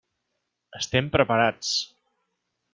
Estem preparats.